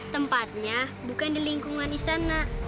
tempatnya bukan di lingkungan istana